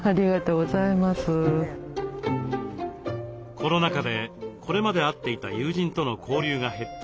コロナ禍でこれまで会っていた友人との交流が減った